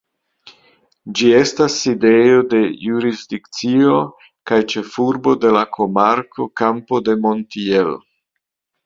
Ĝi estas sidejo de jurisdikcio kaj ĉefurbo de la komarko Campo de Montiel.